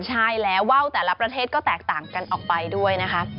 ใช่แล้วว่าวแต่ละประเทศก็แตกต่างกันออกไปด้วยนะคะ